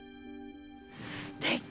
すてき！